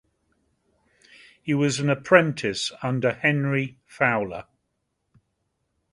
He was an apprentice under Henry Fowler.